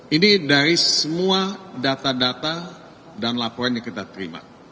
ini dari semua data data dan laporan yang kita terima